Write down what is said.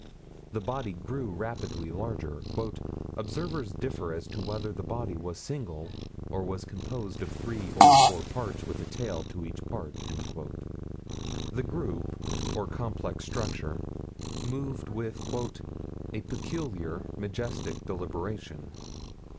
The body grew rapidly larger. "Observers differ as to whether the body was single, or was composed of three or four parts, with a tail to each part." The group, or complex structure, moved with "a peculiar, majestic deliberation."